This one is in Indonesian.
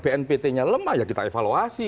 bnpt nya lemah ya kita evaluasi